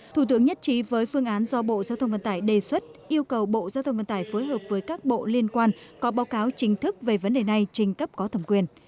thủ tướng nhất trí với phương án do bộ giao thông vận tải đề xuất yêu cầu bộ giao thông vận tải phối hợp với các bộ liên quan có báo cáo chính thức về vấn đề này trình cấp có thẩm quyền